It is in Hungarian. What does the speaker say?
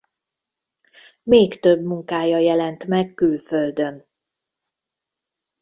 Még több munkája jelent meg külföldön.